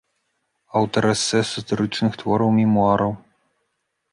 Аўтар эсэ, сатырычных твораў, мемуараў.